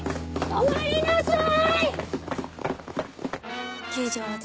止まりなさい！